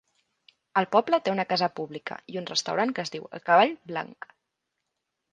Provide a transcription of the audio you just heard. El poble té una casa pública i un restaurant que es diu "El cavall blanc".